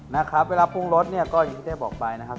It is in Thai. นะครับเวลาปรุงรสเนี่ยก็อย่างที่ได้บอกไปนะครับ